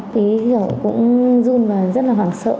thế giới cũng zoom và rất là hoảng sợ